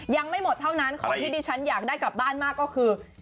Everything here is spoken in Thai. ยังไม่หมดเท่านั้นของที่ได้กลับมากก็คือ